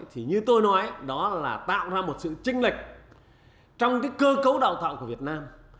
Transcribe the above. thì như tôi nói đó là tạo ra một sự chinh lịch trong cơ cấu đào tạo của việt nam